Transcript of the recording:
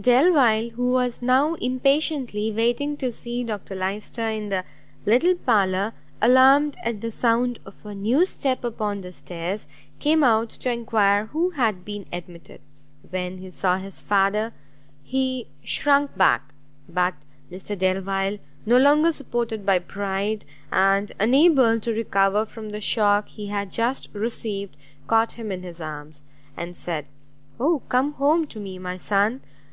Delvile, who was now impatiently waiting to see Dr Lyster in the little parlour, alarmed at the sound of a new step upon the stairs, came out to enquire who had been admitted. When he saw his father, he shrunk back; but Mr Delvile, no longer supported by pride, and unable to recover from the shock he had just received, caught him in his arms, and said "Oh come home to me, my son!